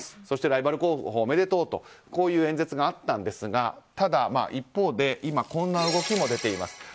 そして、ライバル候補おめでとうという演説があったんですがただ、一方で今、こんな動きも出ています。